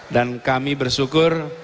dan kami bersyukur